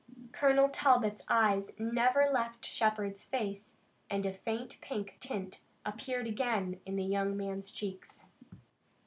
Colonel Talbot's eyes never left Shepard's face and a faint pink tint appeared again in the young man's cheeks.